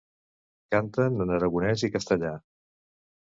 Canten en aragonès i castellà.